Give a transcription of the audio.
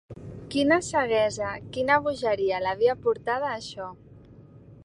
Quina ceguesa, quina bogeria, l'havia portada a això!